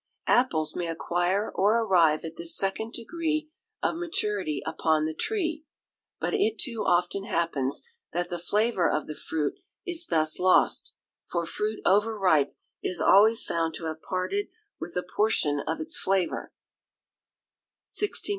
Apples may acquire or arrive at this second degree of maturity upon the tree, but it too often happens that the flavour of the fruit is thus lost, for fruit over ripe is always found to have parted with a portion of its flavour.